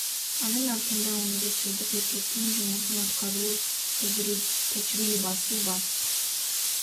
Анын артында он беш жылдык эркектин жумушун аткаруу тажрыйбасы бар.